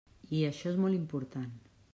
I això és molt important.